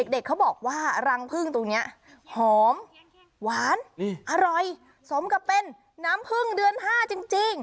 เด็กเขาบอกว่ารังพึ่งตรงนี้หอมหวานอร่อยสมกับเป็นน้ำพึ่งเดือน๕จริง